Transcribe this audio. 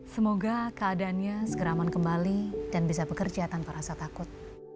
semoga keadaannya segera aman kembali dan bisa bekerja tanpa rasa takut